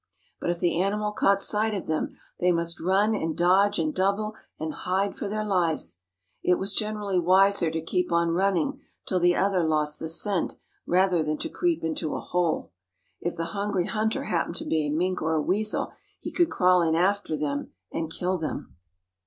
But if the animal caught sight of them they must run and dodge and double and hide for their lives. It was generally wiser to keep on running till the other lost the scent rather than to creep into a hole. If the hungry hunter happened to be a mink or a weasel he could crawl in after them and kill them.